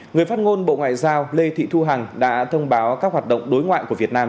người phát ngôn bộ ngoại giao lê thị thu hằng đã thông báo các hoạt động đối ngoại của việt nam